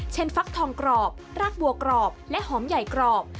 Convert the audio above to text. ฟักทองกรอบรากบัวกรอบและหอมใหญ่กรอบ